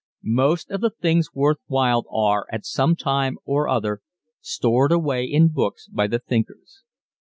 Most of the things worth while are at some time or other stored away in books by the thinkers.